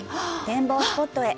展望スポットへ。